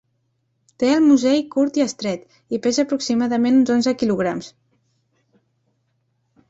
Té el musell curt i estret, i pesa aproximadament uns onze quilograms.